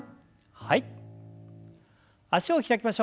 はい。